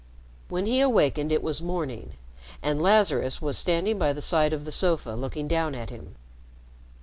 When he awakened it was morning, and Lazarus was standing by the side of the sofa looking down at him.